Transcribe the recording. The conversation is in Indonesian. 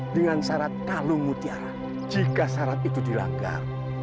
dengan syarat kalungmu tiara jika syarat itu dilanggar